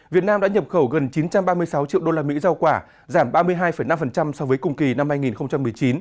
việt nam đã nhập khẩu gần chín trăm ba mươi sáu triệu usd giao quả giảm ba mươi hai năm so với cùng kỳ năm hai nghìn một mươi chín